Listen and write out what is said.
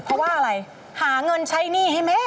เพราะว่าอะไรหาเงินใช้หนี้ให้แม่